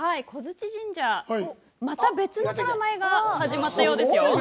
小鎚神社、また別の舞が始まったようですよ。